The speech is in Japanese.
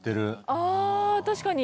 あぁ確かに。